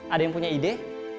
ada yang punya ide